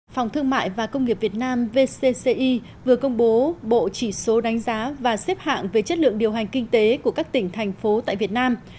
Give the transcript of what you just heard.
phòng thương mại và công nghiệp việt nam vcci vừa công bố bộ chỉ số đánh giá và xếp hạng về chất lượng điều hành kinh tế của các tỉnh thành phố tại việt nam